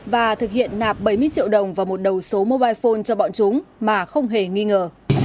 và thực hiện nạp bảy mươi triệu đồng vào một đầu số mobile phone cho bọn chúng mà không hề nghi ngờ